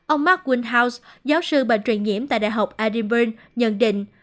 ông mark windhouse giáo sư bệnh truyền nhiễm tại đại học edinburgh nhận định